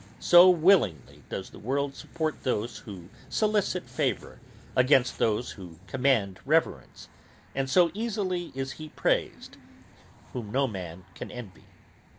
So willingly does the world support those who solicite favour, against those who command reverence; and so easily is he praised, whom no man can envy.